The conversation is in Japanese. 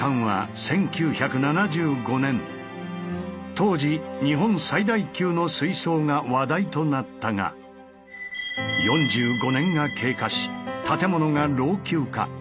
当時日本最大級の水槽が話題となったが４５年が経過し建物が老朽化。